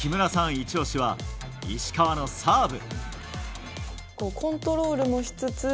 イチ押しは石川のサーブ。